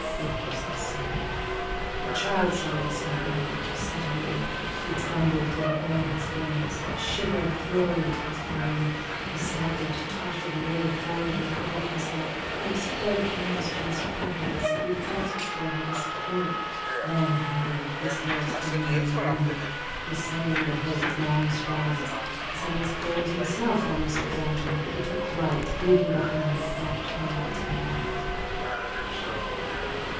It was the sea. The child saw this nightmare. Suddenly he trembled in all his limbs; a shiver thrilled his frame; he staggered, tottered, nearly fell, recovered himself, pressed both hands to his forehead, as if he felt his forehead a support; then, haggard, his hair streaming in the wind, descending the hill with long strides, his eyes closed, himself almost a phantom, he took flight, leaving behind that torment in the night.